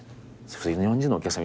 日本人のお客さん